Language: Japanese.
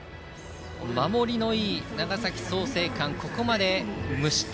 守りのいい長崎・創成館がここまで無失点。